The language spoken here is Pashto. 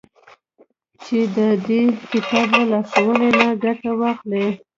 چي د دې كتاب له لارښوونو نه گټه واخلي.